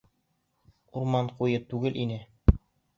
Урман ҡуйы түгел ине.